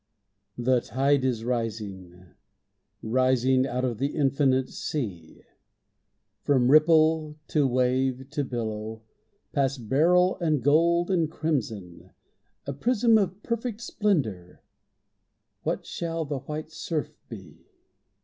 The tide is rising, rising Out of the infinite sea; From ripple, to wave, to billow, Past beryl and gold and crimson, A prism of perfect splendor; What shall the white surf be?